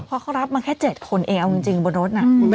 เพราะเขารับมาแค่๗คนเองเอาจริงบนรถน่ะ